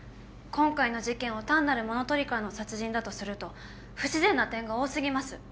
今回の事件を単なる物取りからの殺人だとすると不自然な点が多過ぎます。